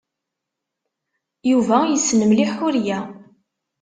Yuba yessen mliḥ Ḥuriya.